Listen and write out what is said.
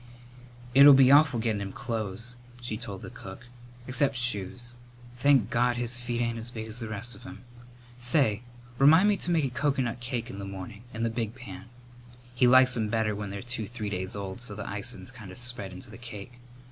"It'll be awful gettin' him clothes," she told the cook; "except shoes. Thank God, his feet ain't as big as the rest of him! Say, remind me to make a coconut cake in the morning in the big pan. He likes 'em better when they're two three days old so the icin's kind of spread into the cake.